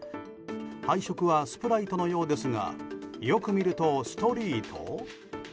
配色はスプライトのようですがよく見るとストリート。